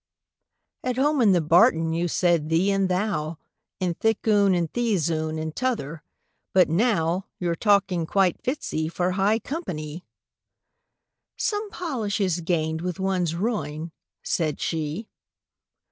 —"At home in the barton you said 'thee' and 'thou,' And 'thik oon,' and 'theäs oon,' and 't'other'; but now Your talking quite fits 'ee for high compa ny!"— "Some polish is gained with one's ruin," said she.